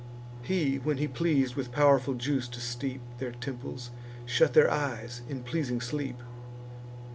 He, when he pleas'd with powerful juice to steep Their temples, shut their eyes in pleasing sleep.